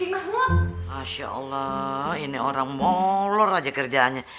masya allah ini orang molor aja kerjaannya